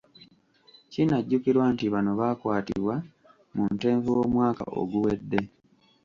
Kinajjukirwa nti bano baakwatibwa mu Ntenvu w’omwaka oguwedde.